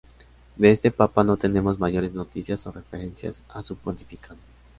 De este papa no tenemos mayores noticias o referencias a su pontificado.